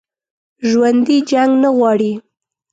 ژوندي جنګ نه غواړي